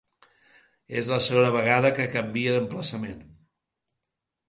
És la segona vegada que canvia d’emplaçament.